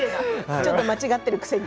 ちょっと間違っているくせに。